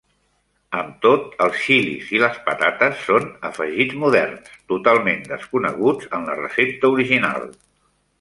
Amb tot, els xilis i les patates són afegits moderns, totalment desconeguts en la recepta original.